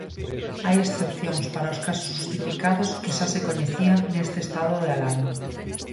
Hai excepcións para os casos xustificados que xa se coñecían neste estado de alarma.